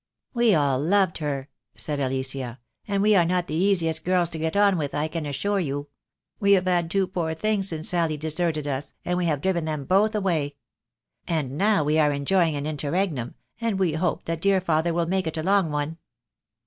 "We all loved her," said Alicia; "and we are not the easiest girls to get on with, I can assure you. We have 250 THE DAY WILL COME. had two poor things since Sally deserted us, and we have driven them both away. And now we are enjoying an interregnum, and we hope the dear father will make it a long one."